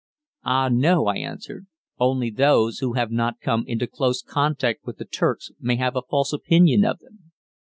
"Ah no," I answered, "only those who have not come into close contact with the Turks may have a false opinion of them."